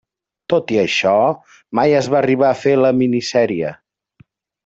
Tot i això, mai es va arribar a fer la mini sèrie.